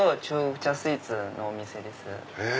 スイーツのお店です。